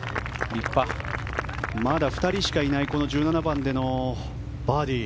まだ２人しかいない１７番でのバーディー。